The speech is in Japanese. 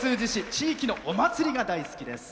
地域のお祭りが大好きです。